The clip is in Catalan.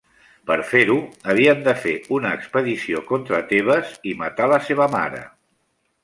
Per fer-ho, havien de fer una expedició contra Tebes i matar la seva mare.